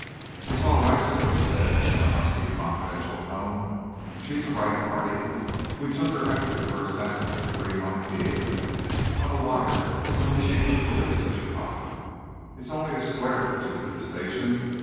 "It's all right, Sir," he said, in a husky, confidential tone; "she's the right party. We took her after the first act at the Green Light Theatre, on a wire from the chief of police of Chicago. It's only a square or two to the station.